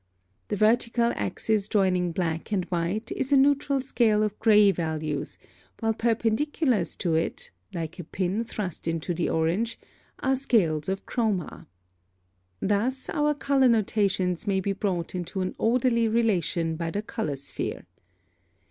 The vertical axis joining black and white is a neutral scale of gray values, while perpendiculars to it (like a pin thrust into the orange) are scales of chroma. Thus our color notions may be brought into an orderly relation by the color sphere.